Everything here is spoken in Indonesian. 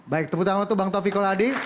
baik tepuk tangan untuk bang taufik koladi